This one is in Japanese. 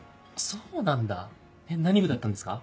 そうなんだえっ何部だったんですか？